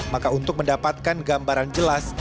maka untuk mendapatkan gambaran jelas